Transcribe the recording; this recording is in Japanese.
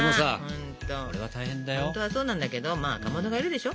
本当はそうなんだけどまあかまどがいるでしょ。